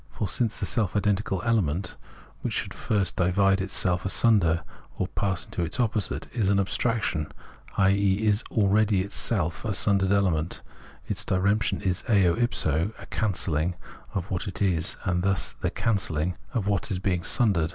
For since the self identical element, which should first divide itself asunder or pass into its opposite, is an abstraction, i.e. is already itself a sundered element, its diremption is eo if so a cancelUng of what it is, and thus the cancelhng of its being srmdered.